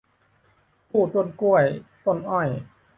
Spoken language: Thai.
คู่ต้นกล้วยต้นอ้อย